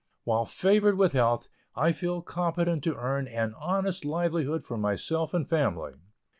While favored with health, I feel competent to earn an honest livelihood for myself and family.